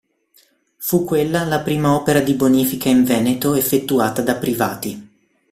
Fu quella la prima opera di bonifica in Veneto effettuata da privati.